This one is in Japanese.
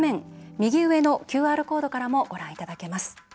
右上のＱＲコードからもご覧いただけます。